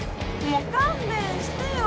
もう勘弁してよ。